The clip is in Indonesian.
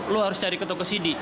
lo harus cari ke tokocd